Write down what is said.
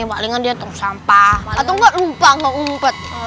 malingan dia tuh sampah atau enggak lupa ngumpet